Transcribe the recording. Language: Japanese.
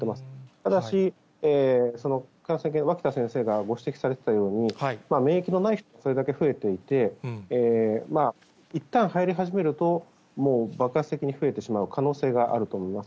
ただし、脇田先生がご指摘されてたように、免疫のない人がそれだけ増えていて、いったんはやり始めるともう爆発的に増えてしまう可能性があると思います。